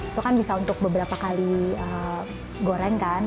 itu kan bisa untuk beberapa kali goreng kan